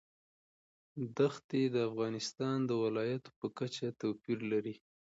دښتې د افغانستان د ولایاتو په کچه توپیر لري.